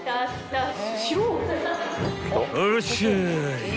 ［らっしゃい！］